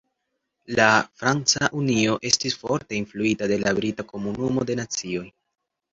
La Franca Unio estis forte influita de la brita Komunumo de Nacioj.